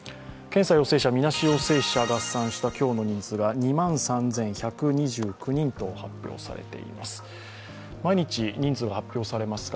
検査陽性者、みなし陽性者合算した今日の人数は２万３１２９人と発表されています。